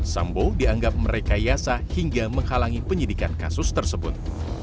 sehingga menghalangi penyidikan kasus tersebut